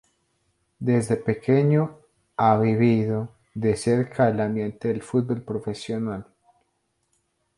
Desde pequeño ha vivido de cerca el ambiente del fútbol profesional.